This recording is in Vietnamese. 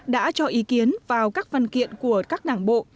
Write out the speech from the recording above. đã cho ý kiến vào các văn kiện của các đảng bộ